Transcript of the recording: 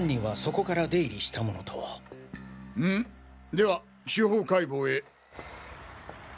では司法解剖へ。